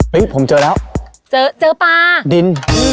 ผมเจอแล้วเจอเจอปลาดิน